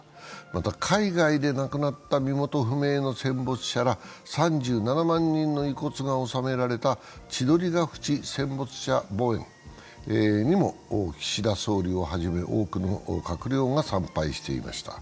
また、海外で亡くなった身元不明の戦没者ら３７万人の遺骨が納められた千鳥ヶ淵戦没者墓苑にも岸田総理をはじめ多くの閣僚が参拝していました。